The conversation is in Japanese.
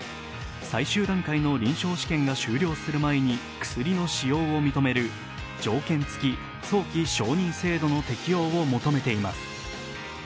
最終段階の臨床試験が終了する前に薬の使用を認める条件付き早期承認制度の適用を求めています。